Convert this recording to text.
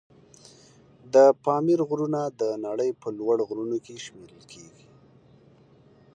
د پامیر غرونه د نړۍ په لوړ غرونو کې شمېرل کېږي.